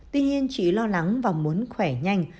tuy nhiên chị lo lắng và muốn khỏe nhanh